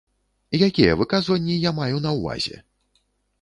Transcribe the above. Якія выказванні я маю на ўвазе?